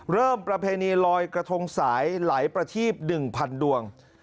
ประเพณีลอยกระทงสายไหลประทีป๑๐๐ดวง